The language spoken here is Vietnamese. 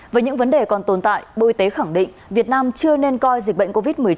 với những vấn đề còn tồn tại bộ y tế khẳng định việt nam chưa nên coi dịch bệnh covid một mươi chín